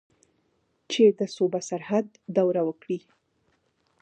چې د صوبه سرحد دوره وکړي.